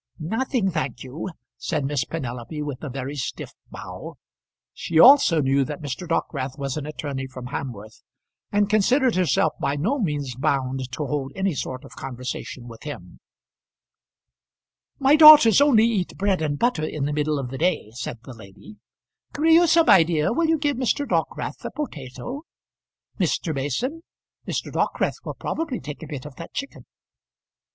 "Nothing, thank you," said Miss Penelope, with a very stiff bow. She also knew that Mr. Dockwrath was an attorney from Hamworth, and considered herself by no means bound to hold any sort of conversation with him. "My daughters only eat bread and butter in the middle of the day," said the lady. "Creusa, my dear, will you give Mr. Dockwrath a potato. Mr. Mason, Mr. Dockwrath will probably take a bit of that chicken."